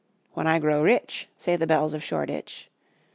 "When I grow rich," Say the bells of Shoreditch.